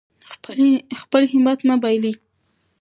خپل همت مه بایلئ.